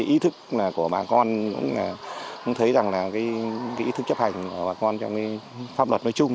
ý thức của bà con cũng thấy rằng là cái ý thức chấp hành của bà con trong cái pháp luật nói chung